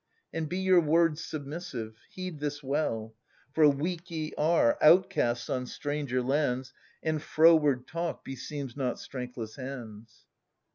And be your words submissive : heed this well ; For weak ye are, outcasts on stranger lands. And froward talk beseems not strengthless hands.